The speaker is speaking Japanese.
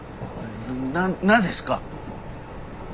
な何ですか？